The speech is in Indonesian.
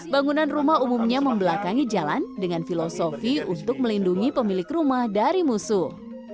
bangunan rumah umumnya membelakangi jalan dengan filosofi untuk melindungi pemilik rumah dari musuh